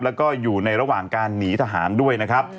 แล้วก็อยู่ในระหว่างการหนีทหารด้วยนะครับ